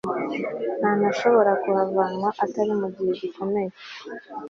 ntanashobora kuhavanwa atari mu bihe bikomeye